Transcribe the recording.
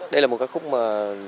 đây là một ca khúc mà